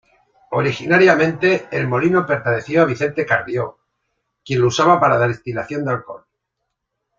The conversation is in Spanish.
Originariamente, el molino perteneció a Vicente Carrió quien lo usaba para la destilación de alcohol.